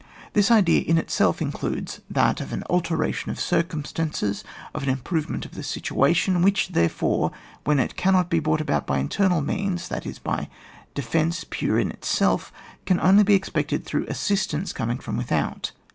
This idea in itself includes that of an alteration of circumstances, of an improvement of the situation, which, therefore, when it cannot be brought about by internal means, that is, by defensive pure in itself, can only be expected through assistance coming from without.